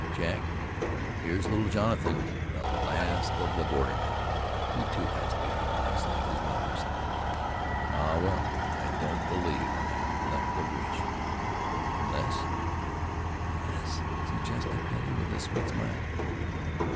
Jack, here's little Jonathan, the last of the bordermen; he, too, has beautiful eyes, big like his mother's. Ah! well, I don't believe I have left a wish, unless " "Unless?" suggested Betty with her sweet smile.